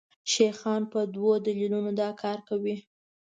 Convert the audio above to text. شیخان په دوو دلیلونو دا کار کوي.